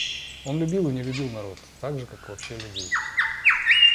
Он любил и не любил народ так же, как и вообще людей.